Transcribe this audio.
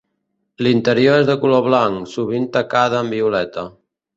L'interior és de color blanc, sovint tacada amb violeta.